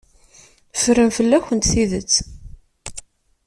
Ffren fell-akent tidet.